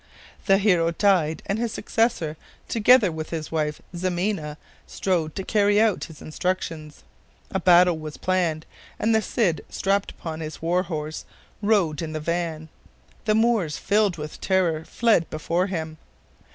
The hero died and his successor together with his wife Ximena strove to carry out his instructions. A battle was planned, and the Cid, strapped upon his war horse, rode in the van. The Moors, filled with terror, fled before him.